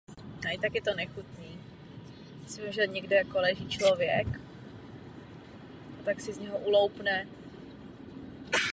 Za tuto píseň také získal platinovou certifikaci.